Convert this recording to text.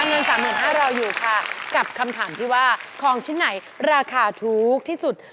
เงินสามหมื่นห้าเราอยู่ค่ะกับคำถามที่ว่าของชิ้นไหนราคาทูกที่สุด